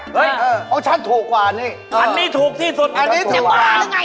เฮ้ยของฉันถูกกว่าอันนี้อันนี้ถูกที่สุดอยากว่าหรือไง